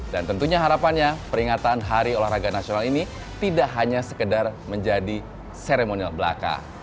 dan tentunya harapannya peringatan hari olahraga nasional ini tidak hanya sekedar menjadi seremonial belaka